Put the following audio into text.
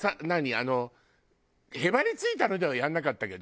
へばりついたのではやらなかったけど。